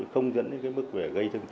không dẫn đến cái mức về gây thương